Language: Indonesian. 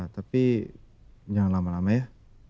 tapi jangan lama lama ya